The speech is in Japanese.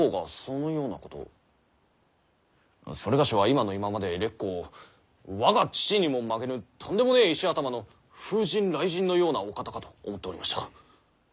某は今の今まで烈公を我が父にも負けぬとんでもねぇ石頭の風神雷神のようなお方かと思っておりました。